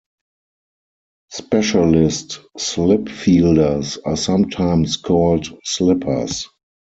Specialist slip fielders are sometimes called "slippers".